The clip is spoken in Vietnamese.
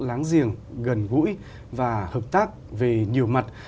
đáng riêng gần gũi và hợp tác về nhiều mặt